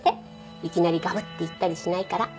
いきなりガブッていったりしないから。